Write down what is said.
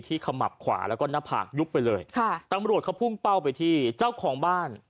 ขมับขวาแล้วก็หน้าผากยุบไปเลยค่ะตำรวจเขาพุ่งเป้าไปที่เจ้าของบ้าน